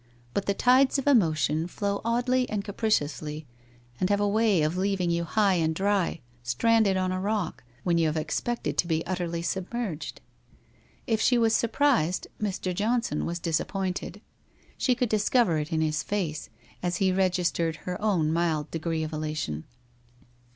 But the tides of emotion flow oddly WHITE ROSE OF WEARY LEAF 115 and capriciously, and have a way of leaving you high and dry, stranded on a rock, when you have expected to be utterly submerged. If she was surprised Mr. Johnson was disappointed. She could discover it in his face, as he registered her own mild degree of elation.